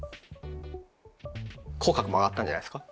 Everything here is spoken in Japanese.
口角も上がったんじゃないですか？